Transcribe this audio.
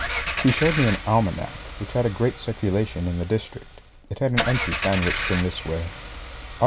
He showed me an almanac, which had a great circulation in the district. It had an entry sandwiched in this way: Aug.